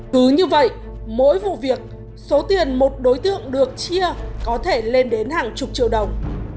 cứ như vậy mỗi vụ việc số tiền một đối tượng được chia có thể lên đến hàng chục triệu đồng